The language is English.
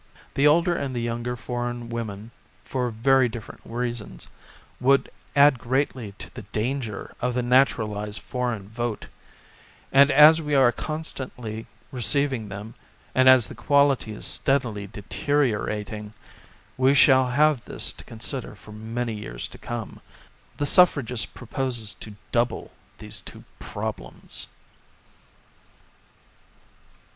The older and the younger foreign women, for very dif ferent reasons, would add greatly to the danger of the naturalized foreign vote, and as we are constantly receiv 46 Classes That Menace " ing them, and as the quality is steadily deteriorating, we shall have this to consider for many years to come. The suffragist proposes to double these two problems.